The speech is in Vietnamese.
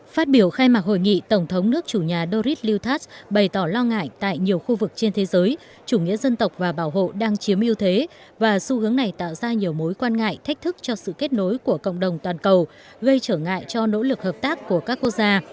phát biểu khai mạc hội nghị tổng thống nước chủ nhà dorid lưu thắt bày tỏ lo ngại tại nhiều khu vực trên thế giới chủ nghĩa dân tộc và bảo hộ đang chiếm ưu thế và xu hướng này tạo ra nhiều mối quan ngại thách thức cho sự kết nối của cộng đồng toàn cầu gây trở ngại cho nỗ lực hợp tác của các quốc gia